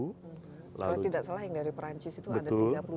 kalau tidak salah yang dari perancis itu ada tiga puluh